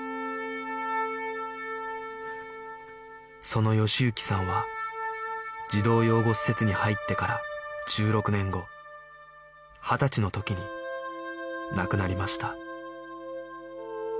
その喜之さんは児童養護施設に入ってから１６年後二十歳の時に亡くなりました